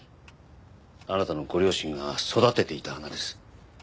あなたのご両親が育てていた花です。